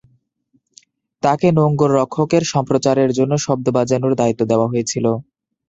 তাকে নোঙ্গররক্ষকের সম্প্রচারের জন্য শব্দ বাজানোর দায়িত্ব দেওয়া হয়েছিল।